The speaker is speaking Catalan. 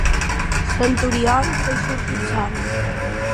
Sant Oriol, feu sortir el sol.